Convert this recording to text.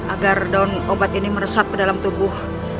agar obat ini meresap ke dalam tubuh